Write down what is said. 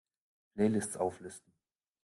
Playlists auflisten!